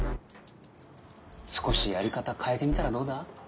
少しやり方変えてみたらどうだ？